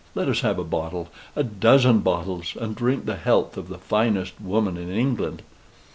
Let us have a bottle a dozen bottles and drink the health of the finest woman in England."